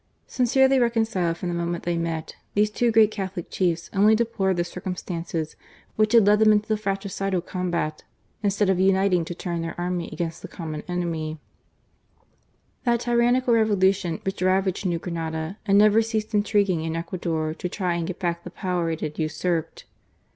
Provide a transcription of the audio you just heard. Sincerely reconciled from the moment they met, these two great Catholic chiefs only depJored the I u ^H stances which had led them into a fratricidal ^H combat, instead of uniting to turn their army ^H against the common enemy — that tyrannical revolu ^M tion which ravaged New Granada and never ceased ^H intriguing in Ecuador to try and get back the power ^H it had usurped.